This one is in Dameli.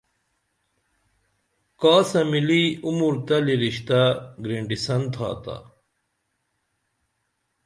کاسہ مِلی عمر تلی رشتہ گرینٹیسن تھاتا